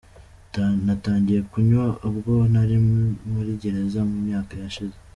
Natangiye kunywa ubwo nari muri gereza mu myaka yashize.